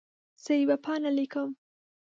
زه یوه پاڼه لیکم.